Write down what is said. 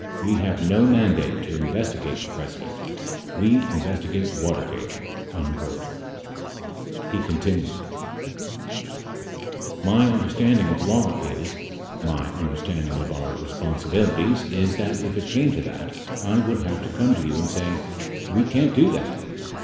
We have no mandate to investigate the Presi dent. We investigate Watergate." 38 He continued : My understanding of law is — my understanding of our responsibilities, is that if it came to that I would have to come to you and say, "We can't do that."